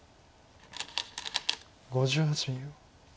５８秒。